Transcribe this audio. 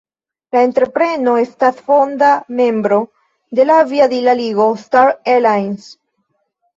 La entrepreno estas fonda membro de la aviadila ligo "Star Alliance".